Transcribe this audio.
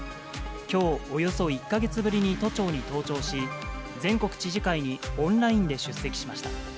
きょうおよそ１か月ぶりに都庁に登庁し、全国知事会にオンラインで出席しました。